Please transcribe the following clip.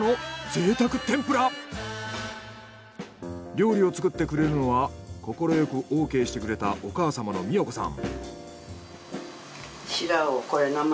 料理を作ってくれるのは快くオーケーしてくれたお母様の美代子さん。